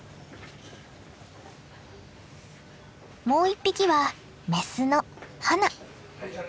もう一匹はメスのハナ。